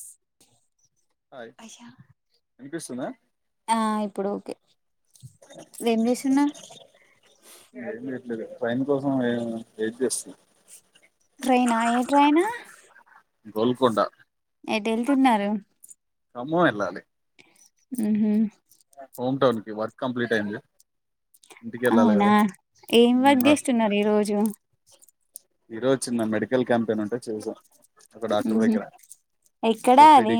స్ హాయ్ అయ వినిపిస్తుందా ఆ ఇప్పుడు ఓకే ఏం చేస్తున్నావ్ లేలే ట్రైన్ కోసం వెయిట్ చేస్తున్న ట్రైనా ఏ ట్రైను గోల్కొండ ఎటు ఏళ్తున్నారు ఖమ్మం వేళ్ళలి హు హు హోమ్ టౌన్ కి వర్క్ కంప్లీట్ అయింది ఇంటికి వెళ్ళాలి అవునా కదా ఏం ఉమ్, వర్క్ చేేస్తున్నారు ఈ రోజు ఈ రోజు చిన్న మెడికల్ క్యాంపెయిన్ ఉంటే చేసాం ఒక హూ డాక్టర్ హు దగ్గర ఎక్కడా అది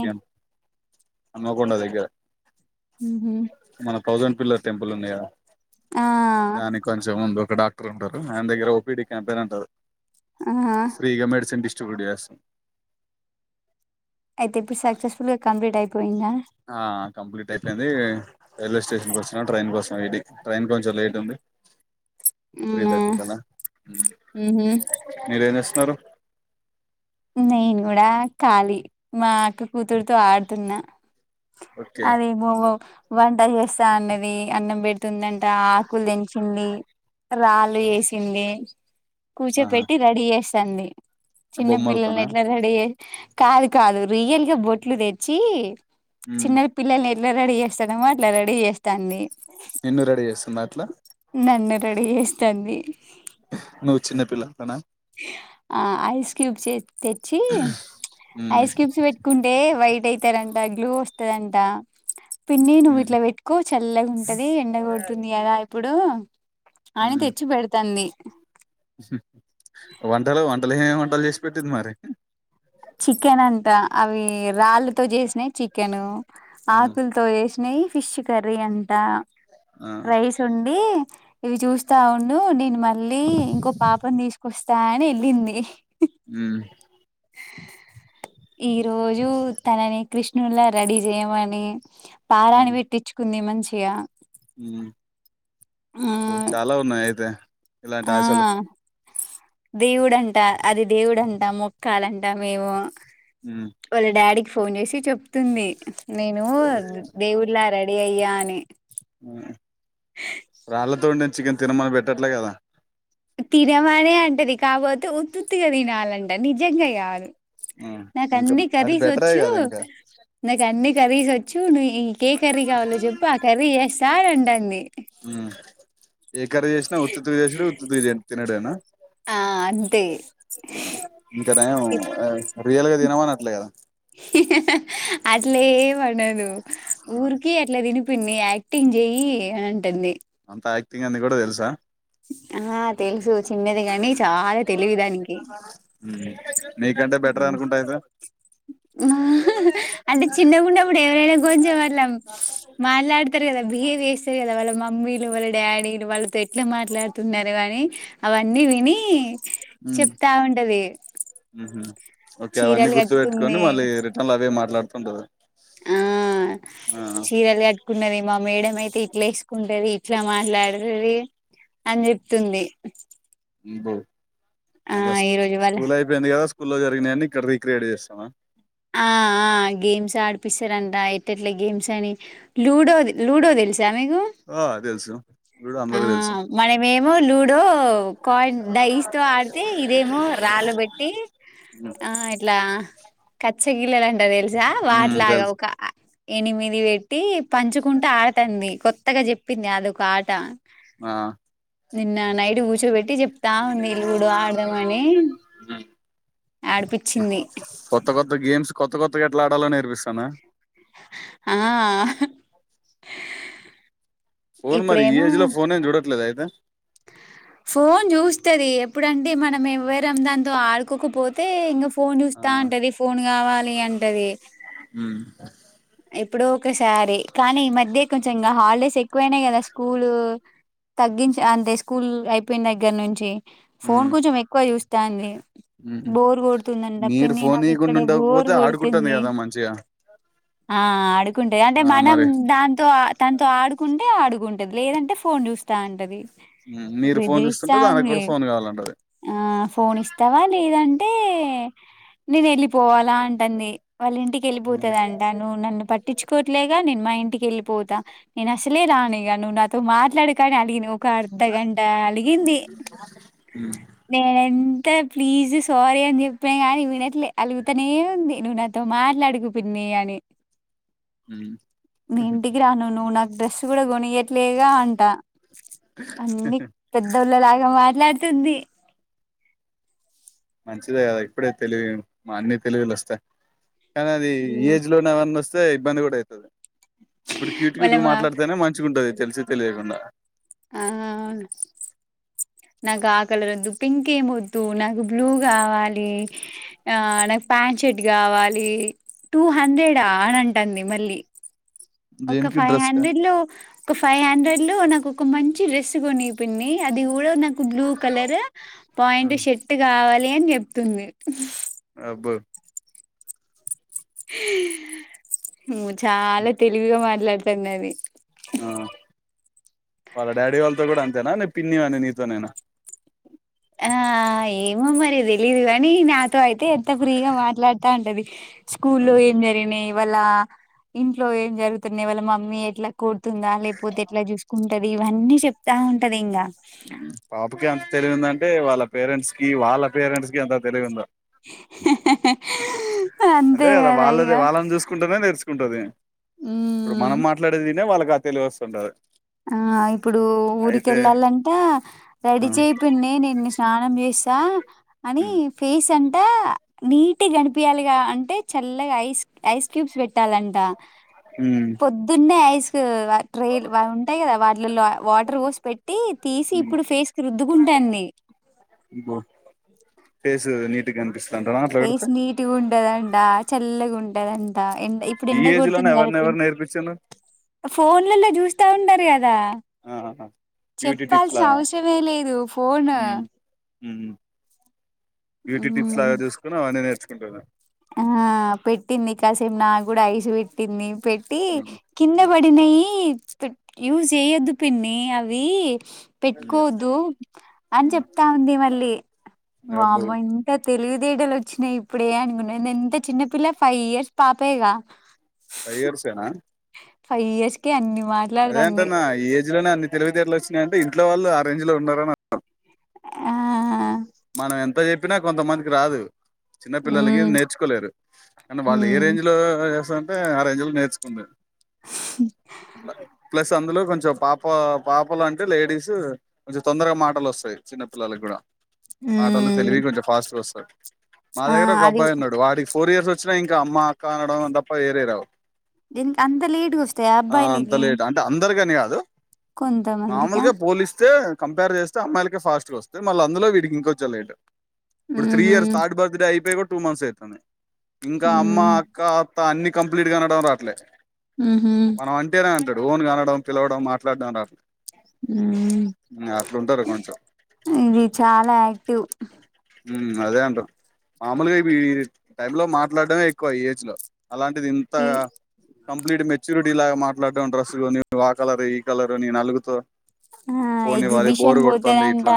హనుమకొండ దగ్గర ఊహూ తౌసండ్ పిల్లర్ టెంపుల్ ఉంది గదా ఆ దాని కొంచెం ముందు ఒక డాక్టర్ ఉంటారు ఆయన దగ్గర ఓ పీ డి కంటేనన్ టదే ఆహా ఫ్రీగా మెడిసిన్ డిష్ ష్ట్రిబ్యూట్ యాసం అయితే ఇప్పుడు సక్సెస్ఫుల్ గా కంప్లీట్ అయిపోయిందా ఆ కంప్లీట్ అయిపోయింది రైల్వే స్టేషన్ కొచ్చినా ట్రైన్ కోసం వెయిటింగ్ ట్రైన్ కొంచెం లేట్ ఉంది త్రీ అవునా థర్టీ కల్ల ఉహు [unintelligible] సారు నేను కూడా కాళీ మా అక్క కూతురుతో ఆడుతున్నా ఓకే అది బోర్ వంట చేస్తా అన్నది అన్నం పెడుతుందంట ఆకులు తెంచింది రాళ్ళు వేసింది కూచె పెట్టి రెడి చేస్ తంది అబొమ్మల్ ఎట్లా రెడీ ఎ కాదు కాదు రియల్‌గా బొట్లు తెచ్చి ఉమ్ చిన్నవి పిల్లలు నే ఇట్లా రెడీ చేస్తాడేమో అట్లా రెడీ చేస్తాంది నిన్ను రెడీ చేస్తుందా అట్లా నన్ను రెడీ చేస్తుంది నువ్వు చిన్న పిల్ల అంటనా ఆ ఐస్‌క్యూబ్ చె తెచ్చి ఉమ్ ఐస్‌క్యూబ్స్ పెట్టుకుంటే వైట్ అవుతారంట గ్లూ వస్తాదంట పిన్ని ఉమ్ నువ్విట్ల పెట్టుకో చల్లగుంద్ టది ఎండగొడుతుంది కదా ఇప్పుడు అని ఉమ్ తెచ్చిపెడ్తానంది. వంటలు వంటలు ఏమేమి వంటలు చేసి పెట్టింది మరి చికెన్ అంటా అవి రాళ్ళతో చేసినాయి చికెను ఉమ్ ఆకుల‌్తో చేసినయి ఫిష్ కర్రీ అం ట ఆ రైస్ ఓండి ఇవి చూస్తా ఉండు నేను మళ్ళీ ఇంకో పాపని తీసుకొస్త తా అని వెళ్ళింది ఉమ్ ఈరోజు తనని కృష్ణునిలా రెడీ చేయమని పారాణి ఉమ్ పెట్టిచ్చుకుంది మంచి యా ఉమ్ అబ్బో చాలా ఉన్నాయి అయితే ఇలాంటి ఆ ఆశలు దేవుడంట అది దేవుడంట మొక్కాలంట మేము ఉమ్ వాళ్ళ డాడీకి ఫోన్ చేసి చెప్తుంది నేను దేవుళ్లా రెడీ అయ్యా అ ని రాళ్ళతో వండిన చికెన్ తినమని పెట్టట్లే కదా తినమనే అంటది కాకపోతే ఉత్తుత్తిగా తినాలంట నిజంగా కాదు ఉమ్ ఇంకా నాకన్నీ అది కర్రీస్ బెటరే వచ్చు కదా ఇంకా నాకన్నీ కర్రీస్‌ వచ్చు నువ్ నీకు ఏ కర్రీ కావాలో చెప్పు ఆ కర్రీ చే చాలాంటాంది ఉమ్ ఏ కర్రీ చేసినా ఉత్తిత్తి చేసాడు ఉత్తిత్తిగ తినడేనా ఆ అంతే ఇంకా నయము రియల్గా తినమని అట్లే కదా అనదు ఊర్కి అట్ల తిని కొన్ని యాక్టింగ్ చేయి అంటుంది అంత యాక్టింగ్ అని కూడా తెలుసా ఆ తెలుసు చిన్నది గానీ చాలా తెలివి దానికి నీకంటే బెటర్ అనుకుంటా అయితే అంటే చిన్నగున్నప్పుడు ఎవరైనా కొంచెం అట్ల మాట్లాడతారు కదా బిహేవ్ చేస్తారు కదా వాళ్ళ మమ్మీలు వాళ్ళ డాడీలు వాళ్ళతో ఎట్లా మాట్లాడుతున్నారు కానీ అవు అన్ని విని ఉమ్, చెప్తా ఉంటది ఉహు. ఓకే అవ్వన్ని చీరలు గుర్తుపెట్టుకొని కట్టుకుంది మళ్ళీ రిటర్న్లో అవే మాట్లాడ తొందర ఆ చీరల కట్టు కున్నది మా మేడం అయితే ఇట్లా వేసుకుంటది ఇట్లా మాట్లాడది అని చెప్తుంది ఈబో ఆ అగసు ఈరోజు వాళ్ళ స్కూల్ అయిపోయింది గదా స్కూల్లో జరిగినవన్నన్ని ఇక్కడ రీక్రియట్ చేస్తావా ఆ ఆ గేమ్స్ ఆడిపిస్తారంట, ఎట్లేట్ట గేమ్స్ అని లూడో లూడో తెలుసా మీకు. ఆ దేలుసు ఆ మనమేమో లూడో కాయిన్ డైస్ తో ఆడితే ఇదేమో రాళ్లుబెట్టి ఆ ఇట్లా కచ్ గిల్లడంట దేస్ల్ జా మ్మ్ వాటిలాగా తెలుసు ఒక ఎనిమిది వె ట్టి పంచుకుంట ఆడతుంది కొత్తగా చెప్ప పిన్య అదొక ఆ టా ఆ నిన్నా నైడు కూర్చోబె టి చెప్తా ఉంది లుడో ఆడదామ అని ఉమ్. ఆడిపిచ్చింది కొత్త కొత్త గేమ్స్ కొత్త కొత్తగా ఎట్లా ఆడాలో నేర్పిస్తానా ఆ ఫోన్ మరి ఈ ఇప్పుడేమో ఏజ్ లో ఫోనేం చూడట్లేదా దా ఫోన్ చూస్తది ఎప్పుడంటే మనం ఎవ్వరం దాంతో ఆడుకోకపోతే ఇంగా ఫోన్ ఆ చూస్తా ఉంటది ఫోన్ గావాలి నీ అంటది ఉమ్మ్ ఎప్పుడో ఒకసారి కానీ ఈ మధ్య కొంచెం గా, హాలిడేస్ ఎక్కువైనాయి కదా స్కూల్ తగ్గించ అంతే స్కూల్ అయిపోయిన్ దగ్గర నుంచి. ఫోన్ కొంచెం ఎక్కువ యుస్ తాన్వి హ్మ్మ్ మీరు నాకు ఫోనీయికుండా ఇక్కడ బోర్ ఉండకపోతే ఆడుకుంటుంది కొడుతుంది కదా మంచిగా ఆ ఆడుకుంటది అంటే ఆ మనం మరి దాంతో తన్ తో ఆడుకుం టే అడుగుంటది లేదంటే ఫోన్ చూస్తా ఉంటది ఉమ్, మీరు ఫోన్ చూస్తుంటే దానికి బెదిరిస్తాంది కూడా ఫోన్ కావాలంటది ఆ ఫోన్ ఇస్తావా లేదంటే హే నేను వెళ్ళిపోవాల అం అన్ని వాళ్ళ ఇంటికి వెళ్ళిపోతది అం నన్ను పట్టించుకోవట్లేగా నే మా ఇంటికి వెళ్ళిపోతా నేను అసలే రానిగా నువ్వు నాతో మాట్లాడ కాని అలిగంది ఒక అర్ధగంట అలిగింది నేన్ ప్లీజ్ సారీ అని చెప్పిన కాగాని వినట్లే అలుగుతనే ఉంది నువ్వు నాతో మాట్లాడుకు పిన్ని అని మీ ఇంటికి రాను నుూ నాకు డ్రెస్ కూడా కొనిగట్లేగా అంట అన్ని పెద్దళ్ళ లాగామా ట్లాడుతుంది మంచిదే కదా ఇప్పుడే తెలివి మా అన్ని తెలివులు వస్తాయి కానీ అది ఈ ఉమ్, ఏజ్ లోనేవన్నా వస్త స్తే ఇబ్బంది కుడాయితది ఇప్పుడు క్యూటి వాళ్ళ క్యూటుగా మా మాట్లాడుతేనే మంచిగా ఉంటుది తెలిసి తెలియకుండా ఆ నాకా కలర్ ఒద్దు పింక్ ఏముద్దు నాకు బ్లూ కావాలి ఆ నాక్ ప్యాంట్ షర్ట్ కావాలి టూ హండ్రెడా అని అంటుంది మళ్ళీ ఒక దేనికి ఫైవ్ డ్రెస్ కా హండ్రెడ్ లో ఒక ఫైవ్ హండ్రెడ్ లో నాకు ఒక మంచి డ్రెస్ కొని పిన్ని అది కూడా నా బ్లూ కలర్ పాయింట్ షెట్ కావాలి అని చెప్తుంది అబ్బో ఆమ్మో చాలా తెలివిగా మాట్లాతాండది ఆ వాళ్ళ డాడీ వాళ్ళతో కూడా అంతేనా లేదా పిన్నివాని నితోనేనా ఆ ఎమోమరి తెలిద్గాని నాతో ఐతే అయితే ఎంత ఫ్రీగా మాట్లాడుతా అంటది స్కూల్లో ఏం జరిగినయి వాళ్ళ ఇంట్లో ఏం జరుగుతున్నాయి వాళ్ళ మమ్మీ ఎట్లా కోడుతుందా లేకపోతే ఎట్లా జ్యూస్‌కుంధి ఇవన్నీ చెప్ తాఉంటది ఇంగా అంటే వాళ్ళ పేరెంట్స్కి వాళ్ళ పేరెంట్స్ కి అంత తెలివి ఉందొ అంతే కదా వాళ్ళది వాళ్ళని చూసుకుంటేనే నేర్చు ఉంటది ఇప్పుడు ఉమ్ మనం మట్లాడేదినే వాళ్ళకి తెలియవస్తుంటారు ఆ అయి ఇప్పుడు ఉరికెల్లాలంట ఆ రెడీ చెయ్ పిన్ని నేను చేసా అని ఫేస్ అంటే నీటి గనిపియల్ అంటే చల్లగా ఐస్ ఐస్ క్యూబ్స్ పెట్ ట్టాలంట ఉమ్ పొద్దున్నే ఐస్ టి ట్రైల్ ఉంటాయి కదా వాటిలో వాటర్ మోసి పెట్టి తీసి ఉమ్ ఇప్పుడు ఫేస్ కి రుద్దుకుంటాంది చేసు నీ ఫేస్ నీట్గా ఉండదం ట. చా పుల్లగుంట ధన్ ఎ ఇప్పుడు ఈ ఎండ ఏజ్ లోనే కొడుతుంది కదా ఎవరిని ఎవరు నేర్పించిండ్రు ఫోన్లలో చూస్తా ఉన్నరు గధా కదా ఆహా బ్యూటీ టిప్స్ చెప్పాల్సిన లాగా అవసరమే లేదు ఫోన్ హ్మ్ బ్యూటీ టిప్స్ లా ఉమ్ చుస్కునావ్ అని నెర్చ్ ధింపవ [unintelligible] ఆ పెట్టింది కాసేపు నాకు గుడా ఐస్ ట్టింది వె టింధి పేటీ ఉమ్ కింద ఉమ్ బడి నయి ధాగ్ యూజ చేయొద్దు పిన్ని ఆవి పీట్కోద్దు అని చెప్తా ఉంది మళ్ళీ అబ్బో వామ్మో ఇంత థైలివితేేటలు వచ్చినాయి ఇప్పుడే అని నెన్ ఎంత చిన్నపిల్ల ఫైవ్ ఇయర్స్ పాపేగా. ఫైవ్ ఇయర్స్ ఏన ఫైవ్ ఇయర్స్ ఐయాని మాట్లాడదండి ఇలోనే అన్ని తెలివితేేటలు వచ్చినాయంటే ఇంట్ వాళ్ళు ఆ రేంజ లో ఉన్నారని అర్థం ఆ మనం ఎంత చెప్పి కొంచంత మందికి రాదు చిన్న పిల్లలకి ఉమ్ నేర్చుకోలేరు కానీ వాళ్ళు ఏ ఉమ్ రేంజ్ లో చేస్తా. అే ఆరేంజలు నేర్చుకుంది మరి ప్లస్ అందులో కొంచెం పాప పాపలు అంటే లేడీస్ కొంచెం తొందరగా మాటలు వస్తాయి చిన్నపిల్లలకి కూడా. మాటలు ఉమ్ తెలివి కొంచెం ఫాస్ట్గా వస్తారు మా ఆ దగ్గర ఒక అది అబ్బాయిన్నాడు వాడికి ఫోర్ ఇయర్స్ వచ్చినా ఇంకా అమ్మ అక్క అనడం తప్ప వేరేయరావు. ద అంత లేటుకి వస్తాయి అబ్బాయిలకి ఇనీ అదు కొంతమందికా మాముల్గా పోలిస్తే కంపేర్ చేస్త అమ్మాయిలక ఫస్ట్ వస్తంది మళ్ళ అందులో వడిగి జల్లైడ్ ఇప్పుడు త్రీ ఉహు ఇయర్ థర్డ్ బర్త్ డే ఐపోయి టూ మంత్స్ అయితా ఇంకా అమ్మ ఉమ్ అక్క అన్ని కంప్లీట్ గా అనడం రాట్లేదు ఉహు మనం అంటార అంట డోన్ కనడం పిలవడం మాట్లాడుతున్నారు అట్లు హ కొంచెం ఇది చాలా ఆ ఇ అదే అంటారు మామూలుగా టై లో మాట్లాడమే ఎక్కువ ఈ ఏజ్ లో అలాంటిది ఇంత ఈ కంప్లీట్ మెచ్యూరి లాగా మాట్లాడడం డ్రస్సులు ను్వు ఆ కలరు ఈ కలరు నేను అలుగుత ఆ ఎగ్జిబిషన్ పోతదంట ఇట్లా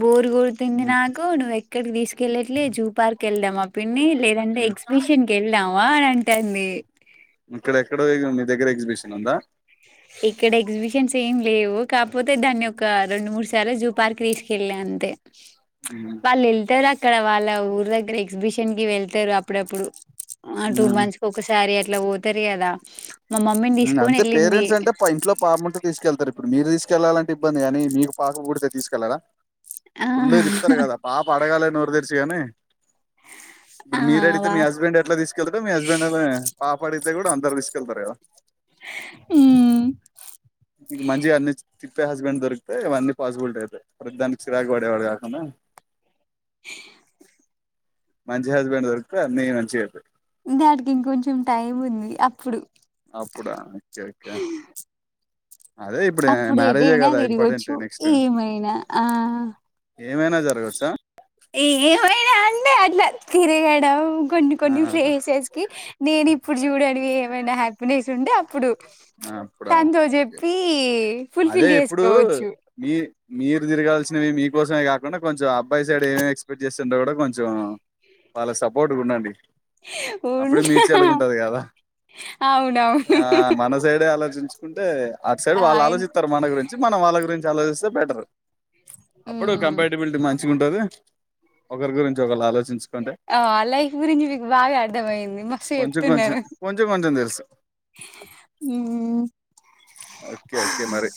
బోర్ కొడుతుంది నాకు నువవు ఎ ఇక్కడి తీసుకెళ్ళట్లే జూ పార్క్ వేలం వీని లేదంటే ఎగ్జిబిషన్కి వెళ్దావా అ టన్ని ఇక్కడ ఎక్కడో మీ దగ్గర ఎగ్జిబిషన్ ఉందా ఇక్కడ ఎగ్జిబిషన్స్ ఏం లేవు కాకపోతే దాన్ని ఒక రెండు మూడు సార్లు చూ పార్క్ తీస్కెళ్ల అంతే వాలలుతే రాకె ఇక్కడ వాళ్ళ ఊరు దగ్గర ఎగ్జిబిషన్ కి వెళ్తారు అప్పుడప్పుడు ఆ టూ మంత్స్ కి ఒకసారి అ లా తెర్యదా మా మమ్మీని తీసుకొని వెళ్ళింది పేరెంట్స్ంటే అంటే ఇంట్లో పాప ఉంటే తీసుకెళ్తారు ఇప్పుడు మీరు తీసుకెళ్ళాలంట ఇబ్బంది కానీ మీకు పాకు పడితే తీసుకెళ్లాలా ఆ ఫుల్గా తిప్తారు కదా పాప అడగాలిని నోర్ తీర్చిఅని ఆ ఇప్పుడు మీరు అడిగితే వా మీ హస్బెండ్ ఎట్లా తీసుకెళ్ మీ హస్బెండ్ పాపడి కూడా అందరు తీసుకెల్తారులా హమ్ ఇ మంచిగా అన్ని తిప్పే హస్బెండ్ దొరికితే ఇవన్నీ పాసిబుల్ అయితే ప్రతి దానికి చిరాకు పడేవాళు కాకుండా [inaudible] మంచి హస్బెండ్ దొరికితే అన్నీ మంచిగా అయితాయి దానికి ఇంకొంచెం టైం ఉంది అప్పుడు అప్పుడా ఒకే ఓకే అదే ఇప్పుడు అప్పుడు మ్యారేజే ఏటైనా కదా ఇంపార్టెంట్ తిరగొచ్చు నెక్స్ట్ ఏమైనా ఆ ఏమైనా జరగచ్చా ఏ ఏమైనా అంటే అట్లా తిరగడం కొన్ని కొన్ని ప్లేసెస్ కి నేను ఇప్పుడు చూడడానికి ఏమైనా హ్యాపీనెస్ ఉంటే అప్పుడు అప్పుడ తనతో ఒకే చెప్పి అదే ఫుల్ఫిల్ ఇప్పుడు చేసుకోవచ్చు మీ మీరు తిరగాల్సినవి మీకోసమే కాకుండా కొంచం అబ్బాయి సైడ్ ఏం ఎక్స్పెక్ట్ చే కూడా కొంచెం వాళ్ళ సపోర్ట్గా ఉండండి అప్పుడు ఉంటా మ్యూచువల్గా ఉంటది కదా అవునవును ఆ మన సైడే ఆలోచించుకుంటే అటు సైడ్ ఆ వాళ్ళ ఆలోచిస్తారు మన గురించి మనం వాళ్ళ గురించి గురించి ఆలోచిస్తే బెటర్ అప్పుడు ఉమ్ కంపాటబిలిటీ మంచిగా ఉంటది ఒకరి గురించి ఒకళ్ళు ఆలోచించు ఆ లైఫ్ గురించి మీకు బాగా అర్థమయింది మస్తు కొంచెం కొంచెం చెప్తున్నారు కొంచెం కొంచెం తెలుసు ఓకే ఓకే మరి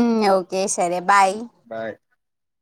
ఉమ్ ఓకే సరే బాయ్ [inaudible]